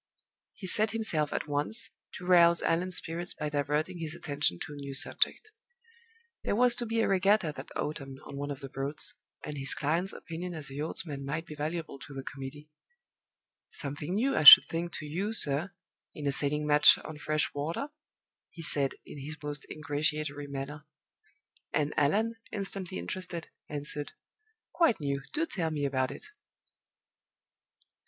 He set himself at once to rouse Allan's spirits by diverting his attention to a new subject. There was to be a regatta that autumn on one of the Broads, and his client's opinion as a yachtsman might be valuable to the committee. "Something new, I should think, to you, sir, in a sailing match on fresh water?" he said, in his most ingratiatory manner. And Allan, instantly interested, answered, "Quite new. Do tell me about it!"